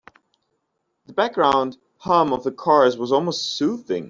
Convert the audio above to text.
The background hum of the cars was almost soothing.